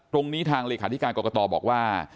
ตรงนี้ทางเลขาธิการกรกตบอกว่า